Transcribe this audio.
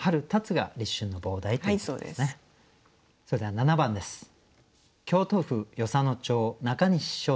それでは７番です。